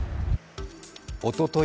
おととい